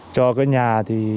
cho cái nhà thì